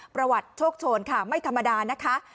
ประวัติโชคโชนค่ะไม่ธรรมดานะคะ